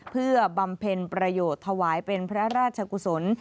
เพื่อบำเพ็ญประโยชน์ถวายเป็นพระราชกุศล